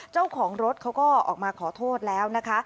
เจ้าของรถเขาก็ออกมาขอโทษแล้วนะคะ